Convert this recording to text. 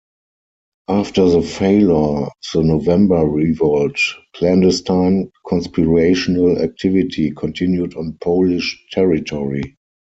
After the failure of the November Revolt, clandestine conspiratorial activity continued on Polish territory.